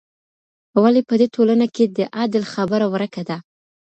ولي په دې ټولنه کي د عدل خبره ورکه ده؟